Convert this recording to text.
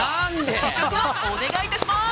試食、お願い致します。